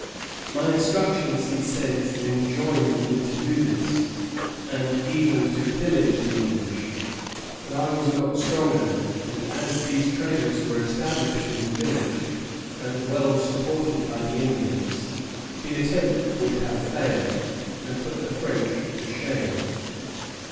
"My instructions," he says, "enjoined me to do this, and even to pillage the English; but I was not strong enough; and as these traders were established in the village and well supported by the Indians, the attempt would have failed, and put the French to shame."